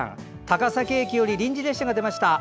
高崎駅より臨時列車が出ました。